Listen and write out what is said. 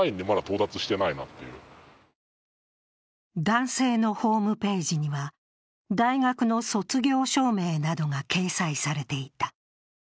男性のホームページには、大学の卒業証明などが掲載されていた。